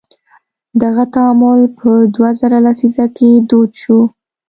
دغه تعامل په دوه زره لسیزه کې دود شو.